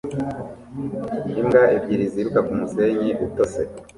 Imbwa ebyiri ziruka kumusenyi utose